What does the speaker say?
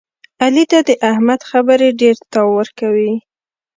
علي ته د احمد خبرې ډېرتاو ورکوي.